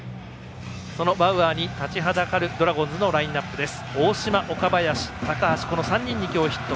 そのバウアーに立ちはだかるドラゴンズのラインアップです。